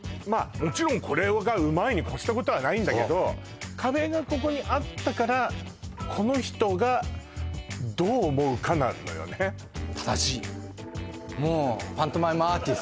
もちろんこれがうまいに越したことはないけど壁がここにあったからこの人がどう思うかなのよねいやいや違いますよ